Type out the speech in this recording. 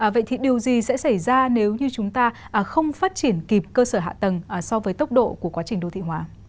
vậy thì điều gì sẽ xảy ra nếu như chúng ta không phát triển kịp cơ sở hạ tầng so với tốc độ của quá trình đô thị hóa